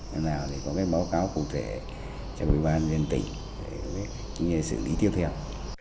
nên nào thì có cái báo cáo cụ thể cho ủy ban nhân tỉnh để xử lý tiếp theo